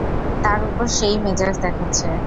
তার ওপর সে-ই মেজাজ দেখাচ্ছে।